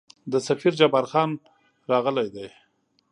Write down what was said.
د سفیر جبارخان راغلی دی.